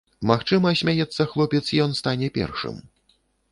Магчыма, смяецца хлопец, ён стане першым.